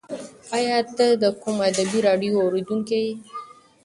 ایا ته د کوم ادبي راډیو اورېدونکی یې؟